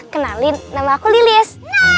kenalin nama aku lilis